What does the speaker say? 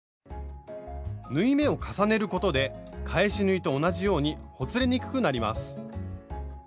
縫い目を重ねることで返し縫いと同じようにほつれにくくなります。